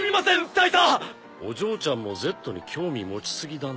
お嬢ちゃんもＺに興味持ち過ぎだな。